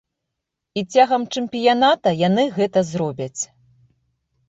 І цягам чэмпіяната яны гэта зробяць.